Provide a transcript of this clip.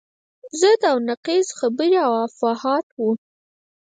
ضد و نقیض خبرې او افواهات وو.